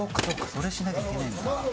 それしなきゃいけないんだ。